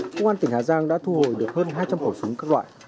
công an tỉnh hà giang đã thu hồi được hơn hai trăm linh khẩu súng các loại